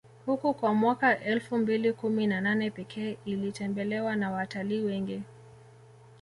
huku kwa mwaka elfu mbili kumi na nane Pekee ilitembelewa na watalii wengi